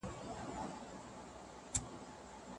هر بدلون د پوهې او تجربې پایله ده.